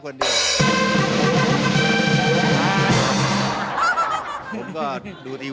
ที่จะเป็นความสุขของชาวบ้าน